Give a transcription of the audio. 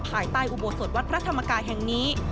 ภายใต้อุโบสถวัดพระธรรมกายแห่งนี้